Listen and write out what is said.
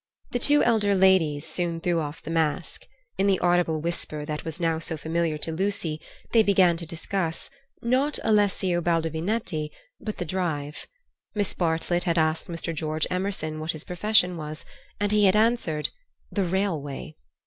The two elder ladies soon threw off the mask. In the audible whisper that was now so familiar to Lucy they began to discuss, not Alessio Baldovinetti, but the drive. Miss Bartlett had asked Mr. George Emerson what his profession was, and he had answered "the railway."